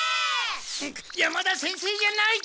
山田先生じゃない！